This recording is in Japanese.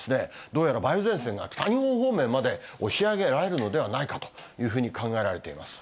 どうやら梅雨前線が北日本方面まで押し上げられるのではないかというふうに考えられています。